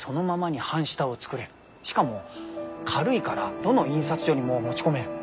しかも軽いからどの印刷所にも持ち込める。